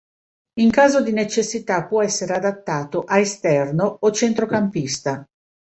In caso di necessità può essere adattato a esterno o centrocampista.